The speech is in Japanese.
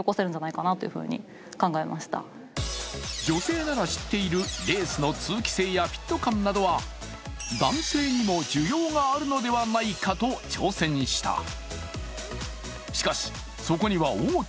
女性なら知っているレースの通気性やフィット感などは男性にも需要があるのではないかと挑戦した。